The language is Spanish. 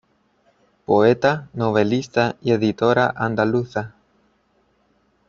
Poeta, novelista y editora andaluza.